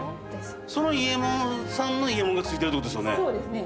その伊右衛門さんの伊右衛門が付いてるってことですよね。